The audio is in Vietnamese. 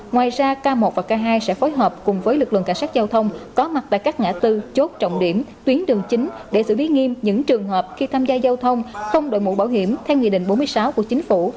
ngoài ra k một và k hai sẽ phối hợp cùng với lực lượng cảnh sát giao thông có mặt tại các ngã tư chốt trọng điểm tuyến đường chính để xử lý nghiêm những trường hợp khi tham gia giao thông không đội mũ bảo hiểm theo nghị định bốn mươi sáu của chính phủ